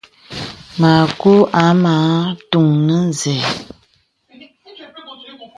Makù a maŋā àtuŋ nə zɛ̂.